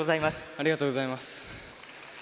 ありがとうございます。